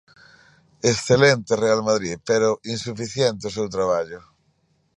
Excelente Real Madrid, pero insuficiente o seu traballo.